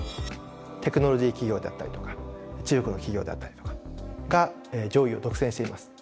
テクノロジー企業であったりとか中国の企業であったりとかが上位を独占しています。